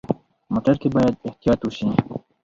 موټر کې باید احتیاط وشي.